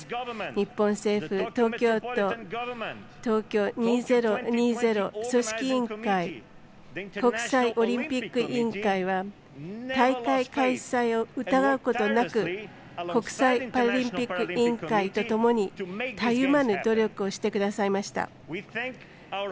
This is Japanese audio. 日本政府、東京都東京２０２０組織委員会国際オリンピック委員会は大会開催を疑うことなく国際パラリンピック委員会とともにたゆまぬ努力をしてくださいました。